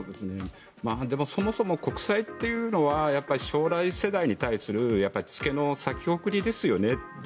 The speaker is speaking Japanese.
でも、そもそも国債というのは将来世代に対する付けの先送りですよね。